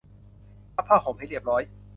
พับผ้าห่มให้เรียบร้อย